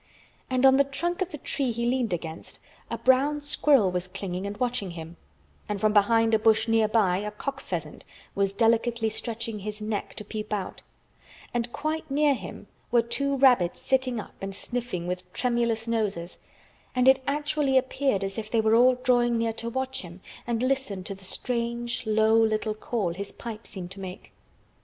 And on the trunk of the tree he leaned against, a brown squirrel was clinging and watching him, and from behind a bush nearby a cock pheasant was delicately stretching his neck to peep out, and quite near him were two rabbits sitting up and sniffing with tremulous noses—and actually it appeared as if they were all drawing near to watch him and listen to the strange low little call his pipe seemed to make.